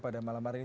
pada malam hari ini